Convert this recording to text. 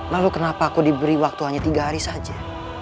lalu kenapa aku diberi waktu hanya tiga hari saja